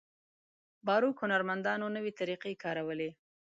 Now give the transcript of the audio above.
باروک هنرمندانو نوې طریقې کارولې.